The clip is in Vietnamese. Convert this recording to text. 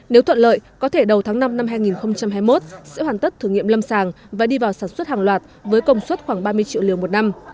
nếu thuận lợi có thể đầu tháng năm năm hai nghìn hai mươi một sẽ hoàn tất thử nghiệm lâm sàng và đi vào sản xuất hàng loạt với công suất khoảng ba mươi triệu liều một năm